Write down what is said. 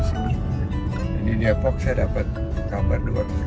ini di epoch saya dapat gambar dua ratus dua puluh